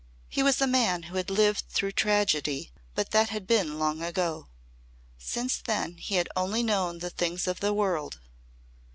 He was a man who had lived through tragedy but that had been long ago. Since then he had only known the things of the world.